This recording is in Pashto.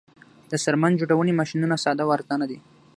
د څرمن جوړونې ماشینونه ساده او ارزانه دي